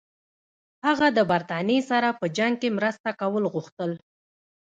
هغه د برټانیې سره په جنګ کې مرسته کول غوښتل.